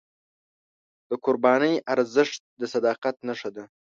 د قربانۍ ارزښت د صداقت نښه ده.